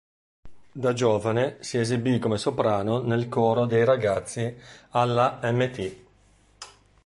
Da giovane si esibì come soprano nel coro dei ragazzi alla Mt.